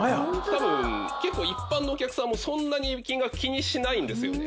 多分結構一般のお客さんもそんなに金額気にしないんですよね。